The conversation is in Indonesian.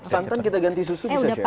santan kita ganti susu bisa chef